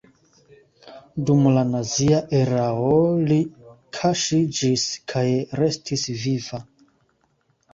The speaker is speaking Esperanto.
Dum la nazia erao li kaŝiĝis kaj restis viva.